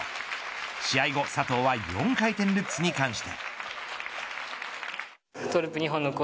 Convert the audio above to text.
試合後佐藤は４回転ルッツに関して。